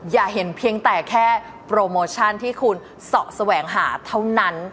อย่าเห็นเพียงแต่แค่โปรโมชั่นที่คุณเสาะแสวงหาเท่านั้น